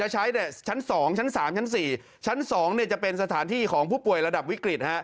ชั้น๒จะเป็นสถานที่ของผู้ป่วยละดับวิกฤต